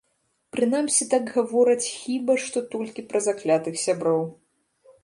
Прынамсі так гавораць хіба што толькі пра заклятых сяброў.